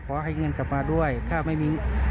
ขอให้เงินกลับมาด้วยถ้าไม่มี